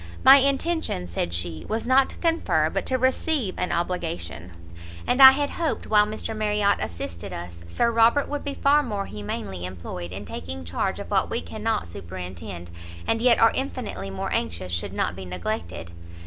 "My intention," said she, "was not to confer, but to receive an obligation; and I had hoped, while Mr. Marriot assisted us, Sir Robert would be far more humanely employed in taking charge of what we cannot superintend, and yet are infinitely more anxious should not be neglected."